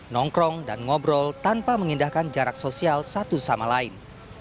nongkrong dan ngobrol tanpa mengindahkan jarak sosial satu sama lain